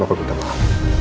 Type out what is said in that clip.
bapak berterima kasih